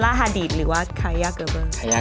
กาแฟครับ